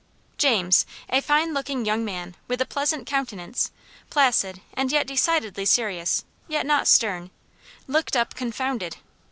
James, a fine looking young man, with a pleasant countenance, placid, and yet decidedly serious, yet not stern, looked up confounded.